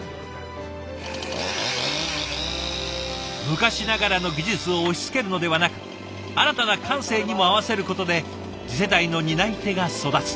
昔ながらの技術を押しつけるのではなく新たな感性にも合わせることで次世代の担い手が育つ。